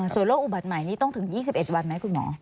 ส่วนโรคอุบัติใหม่นี้ต้องถึง๒๑วันไหมคุณหมอ